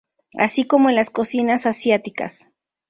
Así como en las cocinas asiáticas.